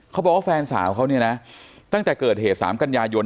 เขาบอกว่าแฟนสาวเขาเนี่ยนะตั้งแต่เกิดเหตุ๓กันยายน